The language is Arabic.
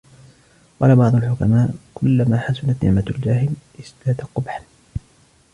وَقَالَ بَعْضُ الْحُكَمَاءِ كُلَّمَا حَسُنَتْ نِعْمَةُ الْجَاهِلِ ازْدَادَ قُبْحًا